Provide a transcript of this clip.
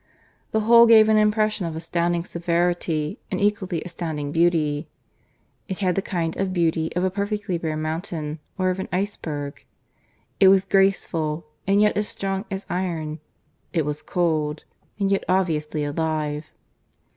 The whole gave an impression of astounding severity and equally astounding beauty. It had the kind of beauty of a perfectly bare mountain or of an iceberg. It was graceful and yet as strong as iron; it was cold, and yet obviously alive.